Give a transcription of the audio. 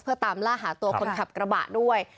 เพื่อตามล่าหาตัวคนขับกระบะด้วย